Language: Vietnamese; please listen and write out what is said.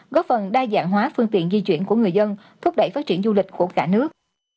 góp phần đa dạng hóa phương tiện di chuyển của người dân thúc đẩy phát triển du lịch của cả nước